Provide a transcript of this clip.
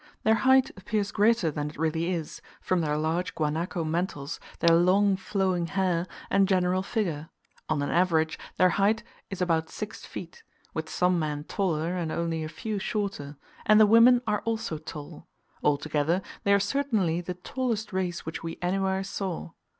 Their height appears greater than it really is, from their large guanaco mantles, their long flowing hair, and general figure: on an average, their height is about six feet, with some men taller and only a few shorter; and the women are also tall; altogether they are certainly the tallest race which we anywhere saw.